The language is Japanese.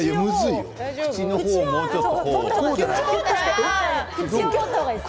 口の方をもうちょっと。